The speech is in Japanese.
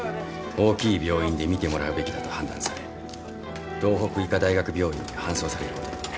大きい病院で診てもらうべきだと判断され道北医科大学病院に搬送されることに。